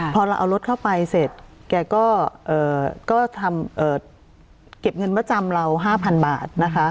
พอเราเอารถเข้าไปเสร็จแกก็ทำเก็บเงินมาจำเรา๕๐๐๐บาทนะคะ